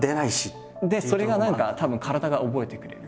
それが何かたぶん体が覚えてくれる。